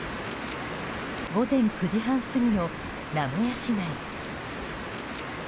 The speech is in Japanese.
午前９時半過ぎの名古屋市内。